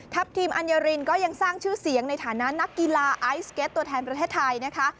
ทีมอัญญารินก็ยังสร้างชื่อเสียงในฐานะนักกีฬาไอซ์เก็ตตัวแทนประเทศไทยนะคะ